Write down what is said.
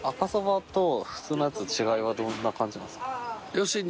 要するに。